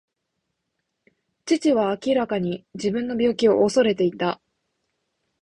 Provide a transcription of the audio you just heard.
父は明らかに自分の病気を恐れていた。